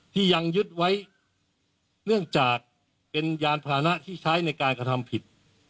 ยังยึดไว้เนื่องจากเป็นยานพานะที่ใช้ในการกระทำผิด